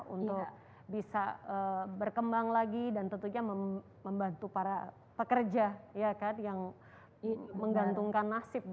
untuk bisa berkembang lagi dan tentunya membantu para pekerja yang menggantungkan nasib